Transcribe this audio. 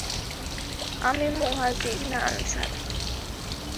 আমি মুহাজির, না আনসার?